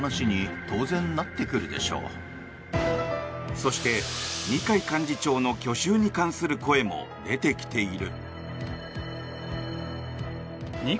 そして、二階幹事長の去就に関する声も出てきている。